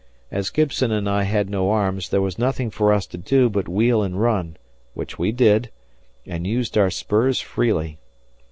As Gibson and I had no arms, there was nothing for us to do but wheel and run which we did and used our spurs freely.